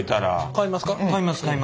買いますか？